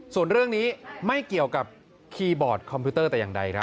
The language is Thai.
ส่วนเรื่องนี้ไม่เกี่ยวกับคีย์บอร์ดคอมพิวเตอร์แต่อย่างใดครับ